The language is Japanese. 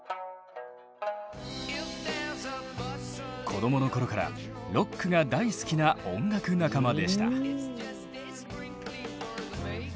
子どもの頃からロックが大好きな音楽仲間でした。